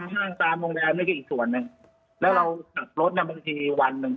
ตามห้างตามวงแรมแล้วก็อีกส่วนนึงแล้วเราขัดรถบางทีวันนึง